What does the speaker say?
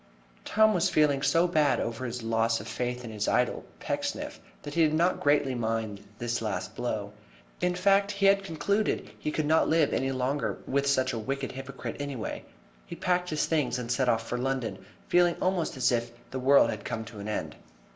Tom was feeling so bad over his loss of faith in his idol, Pecksniff, that he did not greatly mind this last blow. In fact, he had about concluded he could not live any longer with such a wicked hypocrite anyway. He packed his things and set off for London, feeling almost as if the world had come to an end.